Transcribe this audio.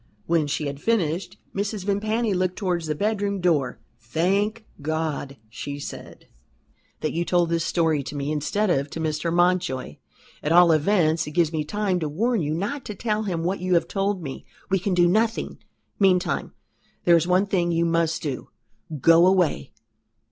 When she had finished, Mrs. Vimpany looked towards the bedroom door. "Thank God!" she said, "that you told this story to me instead of to Mr. Mountjoy. At all events, it gives me time to warn you not to tell him what you have told me. We can do nothing. Meantime, there is one thing you must do go away.